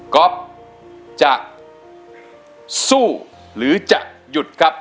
ก๊อฟจะสู้หรือจะหยุดครับ